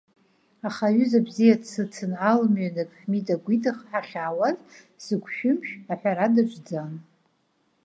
Аха аҩыза бзиа дсыцын, алмҩанык ҳмидагәидаха ҳахьаауаз, сыгәшәымшә аҳәара даҿӡан.